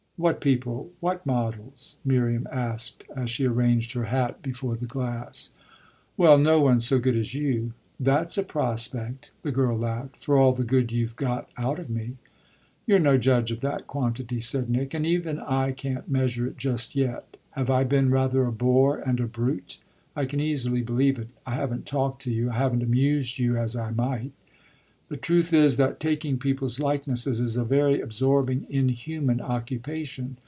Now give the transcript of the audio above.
"What people what models?" Miriam asked as she arranged her hat before the glass. "Well, no one so good as you." "That's a prospect!" the girl laughed "for all the good you've got out of me!" "You're no judge of that quantity," said Nick, "and even I can't measure it just yet. Have I been rather a bore and a brute? I can easily believe it; I haven't talked to you I haven't amused you as I might. The truth is that taking people's likenesses is a very absorbing, inhuman occupation.